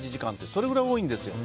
それぐらい多いんですよ。